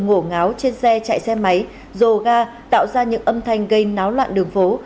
ngổ ngáo trên xe chạy xe máy dồ ga tạo ra những âm thanh gây náo loạn đường phố